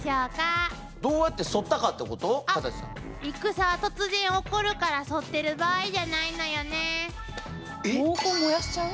戦は突然起こるからそってる場合じゃないのよね。